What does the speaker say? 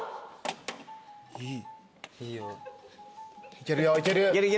いけるよいける！